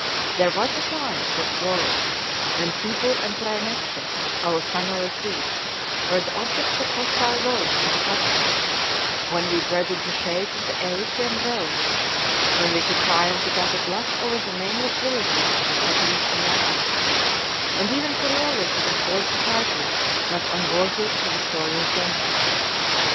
"There was a time," says Florus, "when Tibur and Præneste, our summer retreats, were the objects of hostile vows in the Capitol, when we dreaded the shades of the Arician groves, when we could triumph without a blush over the nameless villages of the Sabines and Latins, and even Corioli could afford a title not unworthy of a victorious general."